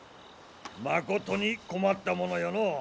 まことに困ったものよのう。